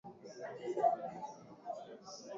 Anauza mayai